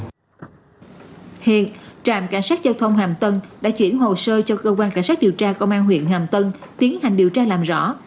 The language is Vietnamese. hiện trạm cảnh sát giao thông hàm tân đã chuyển hồ sơ cho cơ quan cảnh sát điều tra công an huyện hàm tân tiến hành điều tra làm rõ